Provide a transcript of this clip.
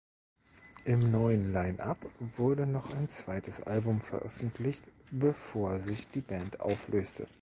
Im neuen Line-Up wurde noch ein zweites Album veröffentlicht bevor sich die Band auflöste.